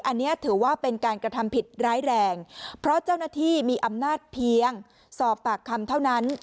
อันนี้ถือว่าเป็นการกระทำผิดร้ายแรงเพราะเจ้าหน้าที่มีอำนาจเพียงสอบปากคำเท่านั้น